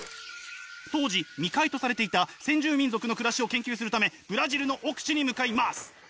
当時未開とされていた先住民族の暮らしを研究するためブラジルの奥地に向かいます！